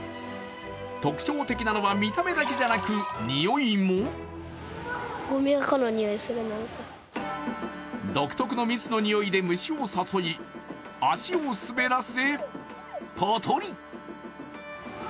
特徴的なのは見た目だけでなく、においも独特の蜜のにおいで虫を誘い、足を滑らせ、ポトリ。